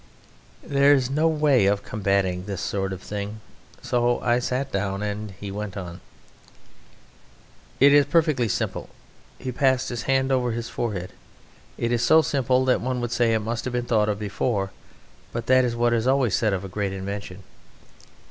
There is no way of combating this sort of thing, and so I sat down, and he went on: "It is perfectly simple...." He passed his hand over his forehead. "It is so simple that one would say it must have been thought of before; but that is what is always said of a great invention....